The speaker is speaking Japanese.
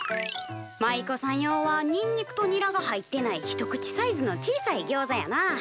舞妓さん用はにんにくとニラが入ってない一口サイズの小さいギョウザやな。